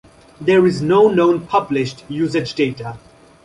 There is no known published usage data.